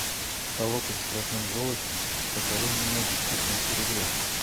По локоть в красном золоте, по колени ноги в чистом серебре.